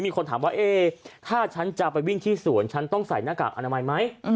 มีคนถามว่าเอ๊ะถ้าฉันจะไปวิ่งที่สวนฉันต้องใส่หน้ากากอนามัยไหม